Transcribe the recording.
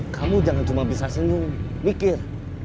kamu jangan cuma bisa senyum mikir